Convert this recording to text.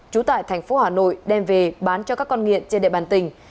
trú tại thành phố hà nội đem về bán cho các con nghiện trên địa bàn tỉnh